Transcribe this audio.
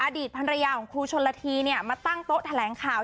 อดีตภรรยาของครูชนละทีมาตั้งโต๊ะแถลงข่าว